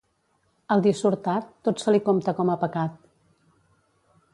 Al dissortat, tot se li compta com a pecat.